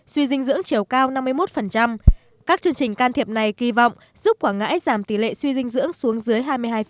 suy dinh dưỡng chiều cao năm mươi một các chương trình can thiệp này kỳ vọng giúp quảng ngãi giảm tỷ lệ suy dinh dưỡng xuống dưới hai mươi hai